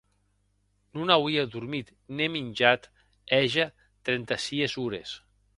Non auie dormit ne minjat hège trenta sies ores.